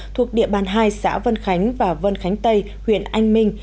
thuộc địa bàn hai xã vân khánh và vân khánh tây huyện anh minh